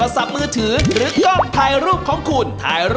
สรุปอันไหนถูกสุดพี่